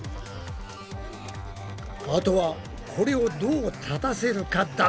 あとはこれをどう立たせるかだったな。